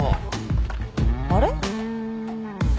あれ？